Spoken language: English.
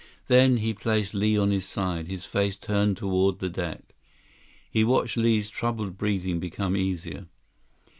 Then he placed Li on his side, his face turned toward the deck. He watched Li's troubled breathing become easier.